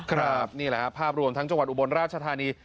ครับนี่แหละครับภาพรวมทั้งจังหวัดอุบลราชธานี